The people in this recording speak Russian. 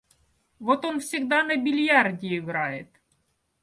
Вот он всегда на бильярде играет.